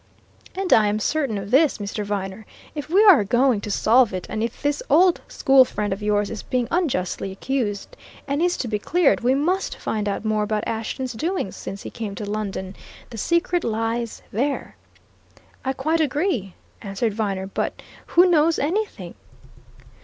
And I am certain of this, Mr. Viner: if we are going to solve it, and if this old school friend of yours is being unjustly accused, and is to be cleared, we must find out more about Ashton's doings since he came to London. The secret lies there!" "I quite agree," answered Viner. "But who knows anything?"